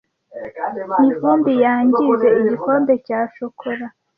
Mivumbi yangize igikombe cya shokora.